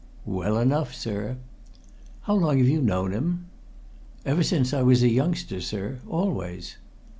"Well enough, sir!" "How long have you known him?" "Ever since I was a youngster, sir always!"